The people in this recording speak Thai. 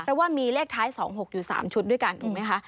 เพราะว่ามีเลขท้าย๒๖อยู่๓ชุดด้วยกันถูกไหมคะ